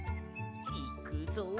いくぞ。